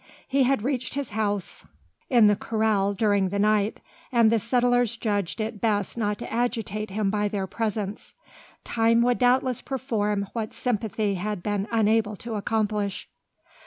He had reached his house in the corral during the night, and the settlers judged it best not to agitate him by their presence. Time would doubtless perform what sympathy had been unable to accomplish.